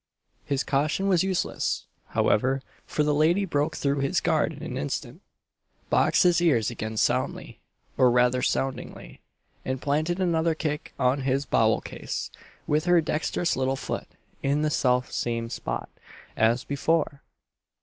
His caution was useless, however, for the lady broke through his guard in an instant, boxed his ears again soundly, or rather soundingly, and planted another kick on his bowel case, with her dexterous little foot, in the self same spot as before!